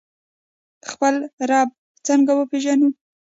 خپل رب څنګه وپیژنو؟